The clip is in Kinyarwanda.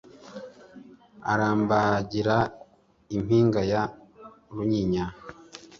arambagira impinga ya runyinya